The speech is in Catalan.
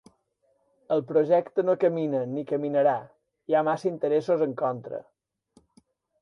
El projecte no camina, ni caminarà: hi ha massa interessos en contra.